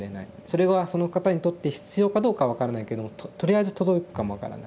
それがその方にとって必要かどうか分からないけどもとりあえず届くかも分からない。